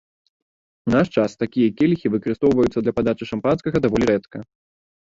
У наш час такія келіхі выкарыстоўваюцца для падачы шампанскага даволі рэдка.